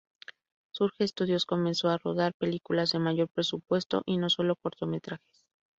Surge Studios comenzó a rodar películas de mayor presupuesto y no sólo cortometrajes.